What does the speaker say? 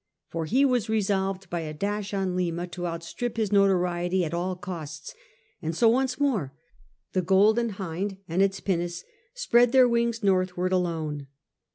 For he was resolved by a dash on Lima to outstrip his notoriety at all costs, and so once more the Golden Hind and its pinnace spread their wings northward alone.